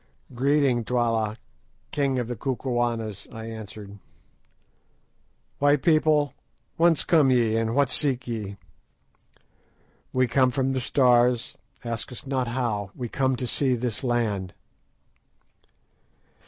"Greeting, Twala, King of the Kukuanas," I answered. "White people, whence come ye, and what seek ye?" "We come from the Stars, ask us not how. We come to see this land."